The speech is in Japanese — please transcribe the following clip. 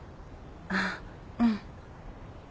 ああうん。